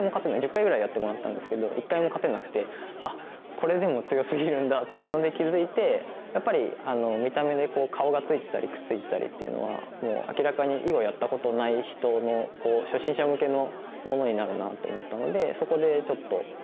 １０回ぐらいやってもらったんですけど一回も勝てなくて「あっこれでも強すぎるんだ」っていうので気付いてやっぱり見た目で顔がついてたりくっついてたりっていうのはもう明らかに囲碁やったことない人の勝つ喜びを味わえる。